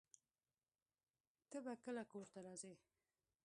ته به کله کور ته راځې؟